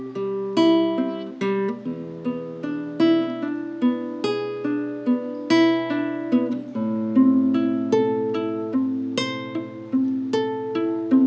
กีตาร์คลัสเสร็จมากแล้ว